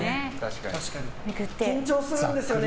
緊張するんですよね